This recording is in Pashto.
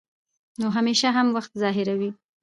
نو همېشه هم وخت ظاهروي